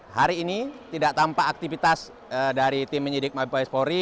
hari ini tidak tampak aktivitas dari tim penyidik mabes polri